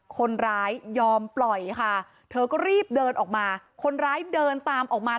คนร้ายยอมปล่อยค่ะเธอก็รีบเดินออกมาคนร้ายเดินตามออกมา